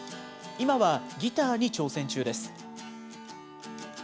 今はギターに挑戦中です。